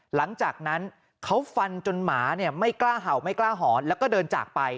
หลังจากนั้นเขาฟันจนหมาเนี่ยไม่กล้าเห่าไม่กล้าหอนแล้วก็เดินจากไป